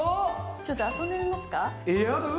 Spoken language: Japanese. ちょっと遊んでみますか。